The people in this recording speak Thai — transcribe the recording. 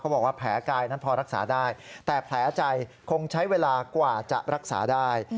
บอกว่าแผลกายนั้นพอรักษาได้แต่แผลใจคงใช้เวลากว่าจะรักษาได้